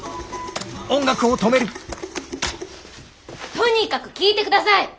とにかく聞いて下さい！